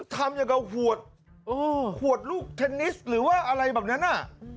ทำอย่างกับขวดขวดลูกเทนนิสหรือว่าอะไรแบบนั้นน่ะ